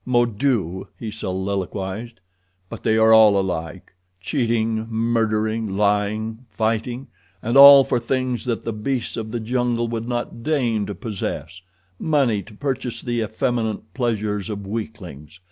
"Mon Dieu!" he soliloquized, "but they are all alike. Cheating, murdering, lying, fighting, and all for things that the beasts of the jungle would not deign to possess—money to purchase the effeminate pleasures of weaklings.